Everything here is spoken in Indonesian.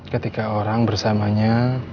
ketika orang bersamanya